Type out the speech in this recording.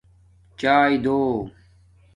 چاݵے دو